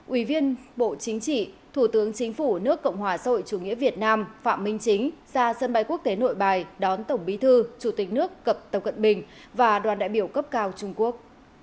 ủy viên bộ chính trị thủ tướng chính phủ nước cộng hòa xã hội chủ nghĩa việt nam phạm minh chính ra sân bay quốc tế nội bài đón tổng bí thư chủ tịch nước cập tập cận bình và đoàn đại biểu cấp cao trung quốc